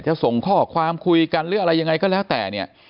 ส่งข้อความคุยกันหรืออะไรยังไงก็แล้วแต่เนี่ย